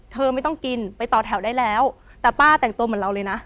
ไม่ต้องกินไปต่อแถวได้แล้วแต่ป้าแต่งตัวเหมือนเราเลยนะ